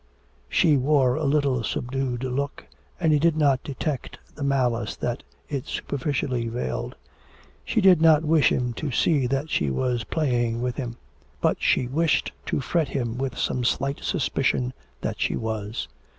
She wore a little subdued look, and he did not detect the malice that it superficially veiled. She did not wish him to see that she was playing with him, but she wished to fret him with some slight suspicion that she was.